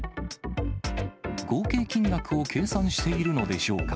合計金額を計算しているのでしょうか。